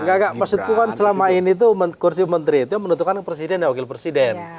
enggak maksudku kan selama ini tuh kursi menteri itu yang menentukan presiden dan wakil presiden